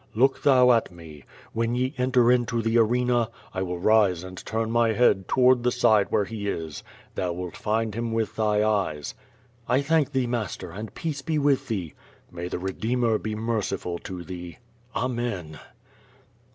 Look thou at me. AVhen ye en ter into the arena, I will rise and turn my head toward the side where he is. Thou wilt find him with thy eyes." "I thank thee, master, and peace bo with thee." "May the Kedeemer be merciful to thee." "Amen."